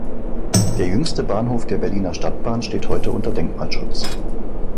Der jüngste Bahnhof der Berliner Stadtbahn steht heute unter Denkmalschutz.